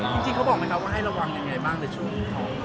พี่หมอครับเขาบอกไม่ครับว่าให้ระวังยังไงบ้างเดี๋ยวฉุมเงี๋ยว